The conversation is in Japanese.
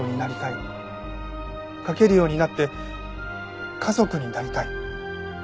書けるようになって家族になりたい。